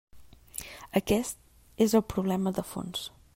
Aquest és el problema de fons.